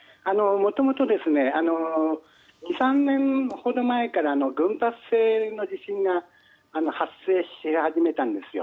もともと２３年ほど前から群発性の地震が発生し始めたんですよ。